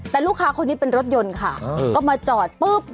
แต่ลูกค้าคนนี้เป็นรถยนต์ค่ะก็มาจอดปุ๊บ